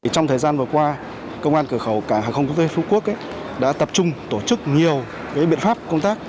trong thời gian vừa qua công an cửa khẩu cảng hàng không quốc tế phú quốc đã tập trung tổ chức nhiều biện pháp công tác